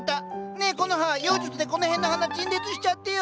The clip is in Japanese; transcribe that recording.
ねえコノハ妖術でこの辺の花陳列しちゃってよ！